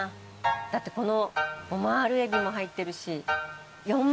だってこのオマールえびも入ってるし。